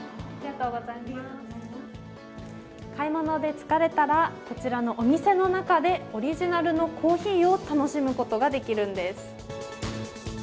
買い物で疲れたら、こちらのお店の中でオリジナルのコーヒーを楽しむことができるんです。